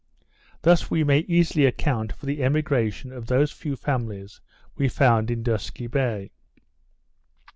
Thus we may easily account for the emigration of those few families we found in Dusky Bay.